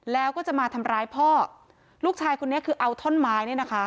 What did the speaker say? แล้วก็จะมาทำร้ายพ่อลูกชายคนนี้คือเอาท่อนไม้เนี่ยนะคะ